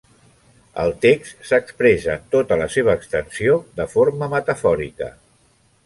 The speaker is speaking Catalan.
El text s'expressa en tota la seva extensió de forma metafòrica.